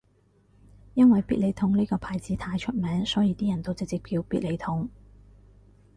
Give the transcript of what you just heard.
因為必理痛呢個牌子太出名所以啲人都直接叫必理痛